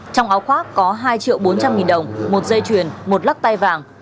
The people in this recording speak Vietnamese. trong áo khoác có hai bốn trăm linh đồng một dây chuyền một lắc tay vàng